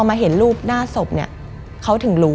มันกลายเป็นรูปของคนที่กำลังขโมยคิ้วแล้วก็ร้องไห้อยู่